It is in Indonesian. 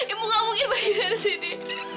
ibu ga mungkin pergi dari sini